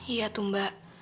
iya tuh mbak